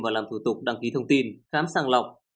và làm thủ tục đăng ký thông tin khám sàng lọc